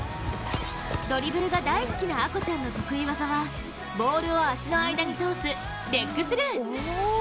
ドリブルが大好きな愛虹ちゃんの得意技は、ボールを足の間に通すレッグスルー。